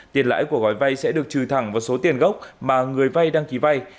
tiền lãi của gói vay sẽ được trừ thẳng vào số tiền gốc mà người vay đăng ký vay